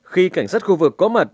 khi cảnh sát khu vực có mặt